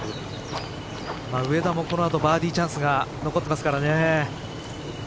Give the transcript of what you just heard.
上田もこの後バーディーチャンスが残っていますからね。